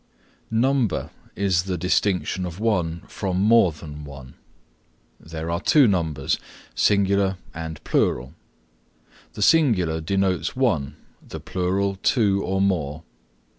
Number is the distinction of one from more than one. There are two numbers, singular and plural; the singular denotes one, the plural two or more.